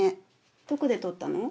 どこで撮ったの？